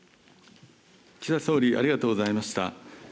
岸田総理、ありがとうございました。